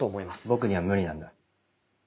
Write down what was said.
僕には無理なんだ。